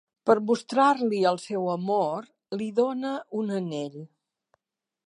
Per mostrar-li el seu amor li dóna un anell.